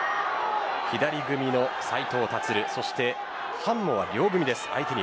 左組みの斉藤立、そしてハンモは両組みです。